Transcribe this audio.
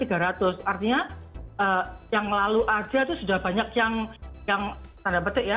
artinya yang lalu saja itu sudah banyak yang yang tanda betik ya